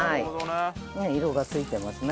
ねっ色がついてますね。